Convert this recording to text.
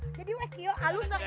jadi wek yo alusan